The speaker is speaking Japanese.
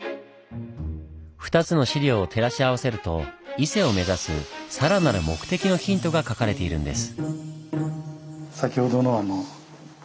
２つの資料を照らし合わせると伊勢を目指すさらなる目的のヒントが書かれているんです。